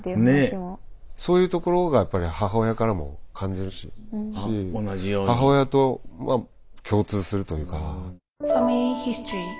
そういうところが母親からも感じるし母親と共通するというか。